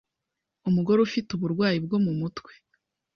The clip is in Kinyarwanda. Umugore ufite uburwayi bwo mu mutwe